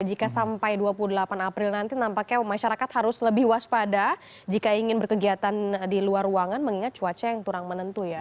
jika sampai dua puluh delapan april nanti nampaknya masyarakat harus lebih waspada jika ingin berkegiatan di luar ruangan mengingat cuaca yang kurang menentu ya